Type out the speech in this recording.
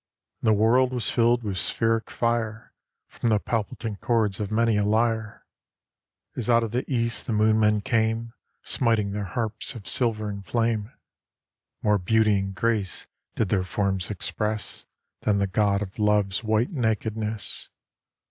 And the world was filled with spheric fire From the palpitant chords of many a lyre, As out of the East the Moonmen came Smiting their harps of silver and flame. More beauty and grace did their forms express Than the God of Love's white nakedness.